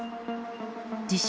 自称